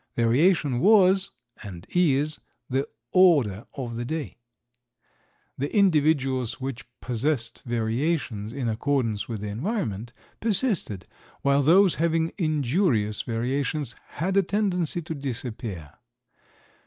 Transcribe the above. Variation was, and is, the order of the day. The individuals which possessed variations in accordance with the environment persisted, while those having injurious variations had a tendency to disappear.